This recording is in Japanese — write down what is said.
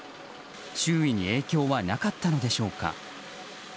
周囲に影響はなかったのでしょうか。